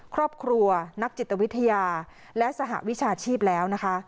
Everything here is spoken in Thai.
ครอบครัวนักจิตวิทยาและสหวิชาชีพแล้วนะคะ